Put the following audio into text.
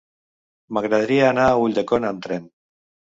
M'agradaria anar a Ulldecona amb tren.